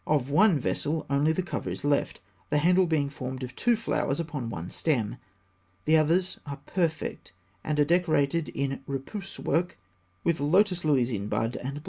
Of one vessel, only the cover is left, the handle being formed of two flowers upon one stem. The others are perfect, and are decorated in repoussé work with lotus lilies in bud and blossom (fig.